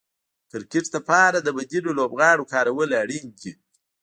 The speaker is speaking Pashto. د کرکټ لپاره د بديلو لوبغاړو کارول اړين دي.